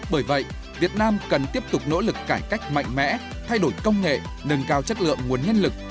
bởi vậy việt nam cần tiếp tục nỗ lực cải cách mạnh mẽ thay đổi công nghệ nâng cao chất lượng nguồn nhân lực